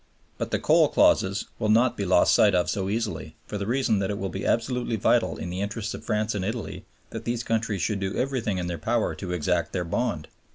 But the coal clauses will not be lost sight of so easily, for the reason that it will be absolutely vital in the interests of France and Italy that these countries should do everything in their power to exact their bond.